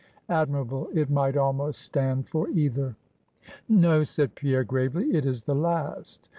Admirable! It might almost stand for either." "No," said Pierre, gravely; "it is the last.